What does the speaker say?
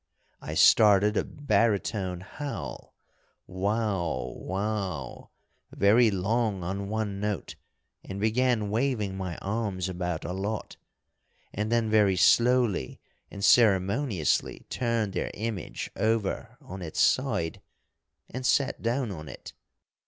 I started a baritone howl, 'wow wow,' very long on one note, and began waving my arms about a lot, and then very slowly and ceremoniously turned their image over on its side and sat down on it.